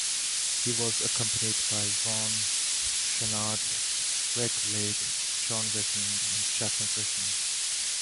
He was accompanied by Yvon Chouinard, Reg Lake, John Wasserman and Jackson Frischman.